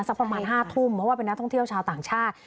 สักประมาณ๕ทุ่มเพราะว่าเป็นนักท่องเที่ยวชาวต่างชาติ